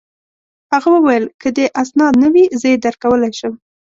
هغه وویل: که دي اسناد نه وي، زه يې درکولای شم.